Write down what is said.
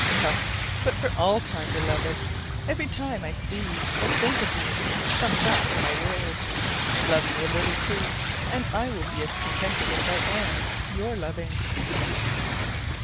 No, but for all time, Beloved! every time I see you or think of you sums up my world. Love me a little, too, and I will be as contented as I am your loving.